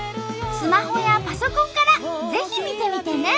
スマホやパソコンからぜひ見てみてね。